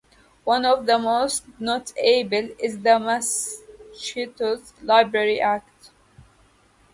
One of the most notable is the Massachusetts Liberty Act.